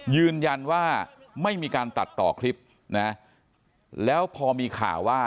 ยืนยันว่าไม่มีการตัดต่อคลิปนะแล้วพอมีข่าวว่า